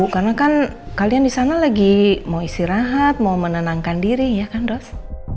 karena kan kalian di sana lagi mau istirahat mau menenangkan diri ya kan ros